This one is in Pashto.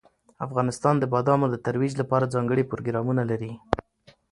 افغانستان د بادامو د ترویج لپاره ځانګړي پروګرامونه لري.